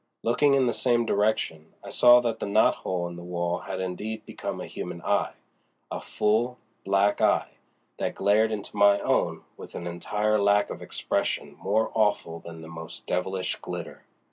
Looking in the same direction, I saw that the knot hole in the wall had indeed become a human eye—a full, black eye, that glared into my own with an entire lack of expression more awful than the most devilish glitter.